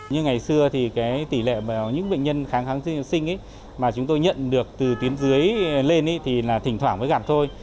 như ngày xưa thì tỷ lệ những bệnh nhân kháng kháng sinh mà chúng tôi nhận được từ tuyến dưới lên thì là thỉnh thoảng mới gặp thôi